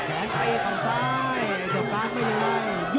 ไข่ข้างซ้าย